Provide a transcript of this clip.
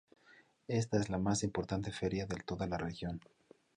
Esta es la más importante feria de toda la región.